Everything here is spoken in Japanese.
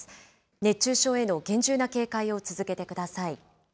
熱中症への厳重な警戒を続けてください。